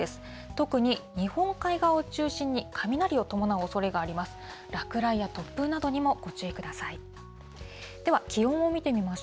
特に日本海側を中心に、雷を伴うおそれがあります。